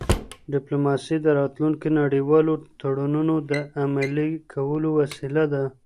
ډيپلوماسي د راتلونکي نړیوالو تړونونو د عملي کولو وسیله ده.